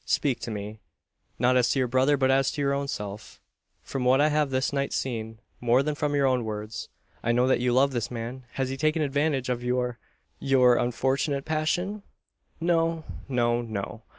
Speak to me, not as to your brother, but as to your own self. From what I have this night seen, more than from your own words, I know that you love this man. Has he taken advantage of your your unfortunate passion?" "No no no.